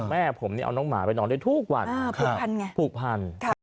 แม่ผมเอาน้องหมาไปนอนได้ทุกวันผูกพันไงผูกพัน